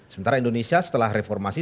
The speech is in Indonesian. sementara indonesia setelah reformasi